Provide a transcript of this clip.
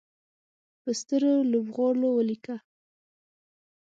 په سترو لوبغالو ولیکه